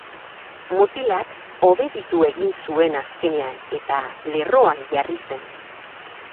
Mutilak obeditu egin zuen azkenean, eta lerroan jarri zen.